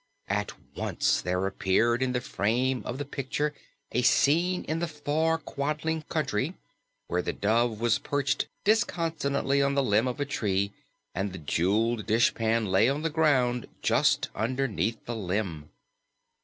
At once there appeared in the frame of the Picture a scene in the far Quadling Country, where the Dove was perched disconsolately on the limb of a tree and the jeweled dishpan lay on the ground just underneath the limb.